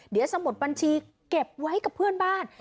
เดี๋ยวสมุดบัญชีเก็บไว้กับเพื่อนบ้าน